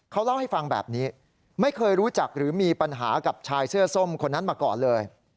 เขาเล่าให้ฟังแบบนี้ไม่เคยรู้จักหรือมีปัญหากับชายเสื้อส้มคนนั้นมาก่อนเลย